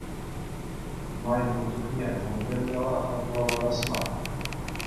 Май пур чухне мӗншӗн яла хӑтлӑлатас мар?